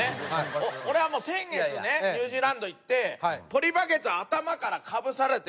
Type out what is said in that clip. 俺はもう先月ねニュージーランド行ってポリバケツ頭からかぶされてここまで。